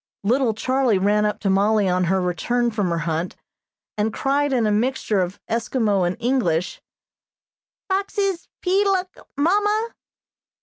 Little Charlie ran up to Mollie on her return from her hunt, and cried in a mixture of Eskimo and English: "Foxes peeluk, Mamma?"